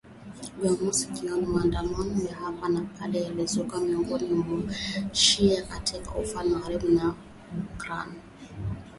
Jumamosi jioni maandamano ya hapa na pale yalizuka miongoni mwa wa-shia katika ufalme wa karibu huko nchini Bahrain